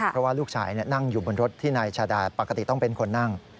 เพราะว่าลูกชายนั่งอยู่บนรถที่นายชาดาปกติต้องเป็นคนนั่ง